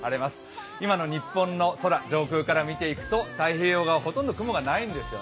今の日本の空、上空から見ていくと太平洋側、ほとんど雲がないんです。